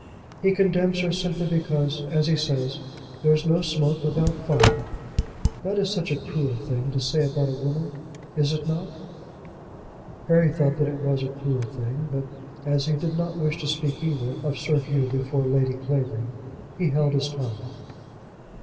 He condemns her simply because, as he says, there is no smoke without fire. That is such a cruel thing to say about a woman; is it not?" Harry thought that it was a cruel thing, but as he did not wish to speak evil of Sir Hugh before Lady Clavering, he held his tongue.